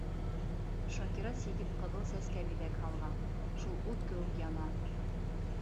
Шакира сигеп ҡыҙыл сәскә биҙәк һалған, шул ут кеүек яна.